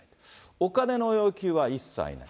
お金の要求は一切ない。